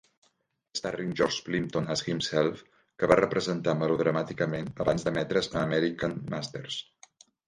"Starring George Plimpton as Himself", que va representar melodramàticament abans d'emetre's a American Masters.